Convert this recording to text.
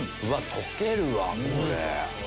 溶けるわこれ。